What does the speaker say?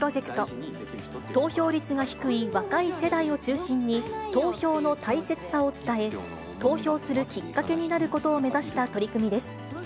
投票率が低い若い世代を中心に、投票の大切さを伝え、投票するきっかけになることを目指した取り組みです。